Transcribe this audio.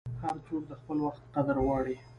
هر څوک د خپل وخت قدر غواړي.